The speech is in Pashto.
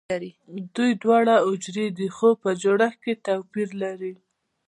دوی دواړه حجرې دي خو په جوړښت کې توپیر لري